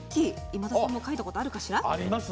今田さんも描いたことあるかしら。